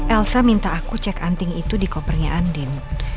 elsa minta aku cek anting itu di kopernya andin